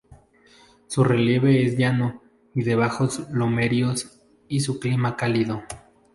Su relieve es llano y de bajos lomeríos y su clima cálido.